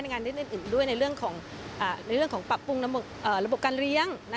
งานนิดอื่นด้วยในเรื่องของปรับปรุงระบบการเลี้ยง